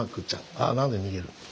あ何で逃げるの。